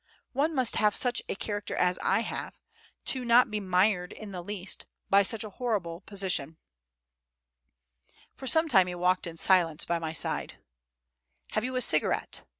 One must have such a character as I have, not to be mired in the least by such a horrible position." For some time he walked in silence by my side. "Have you a cigarette?" [Footnote: "Avez vous un papiros?"